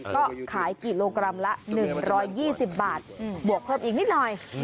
ก็ขายกิโลกรัมละหนึ่งร้อยยี่สิบบาทบวกครบอีกนิดหน่อย